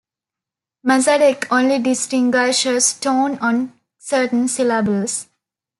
Mazatec only distinguishes tone on certain syllables.